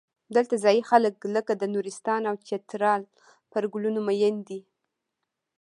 دلته ځايي خلک لکه د نورستان او چترال پر ګلونو مین دي.